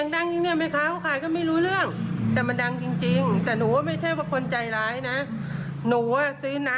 บังคอมเมนต์มาด่าแบบหยาบคล้ายด้วย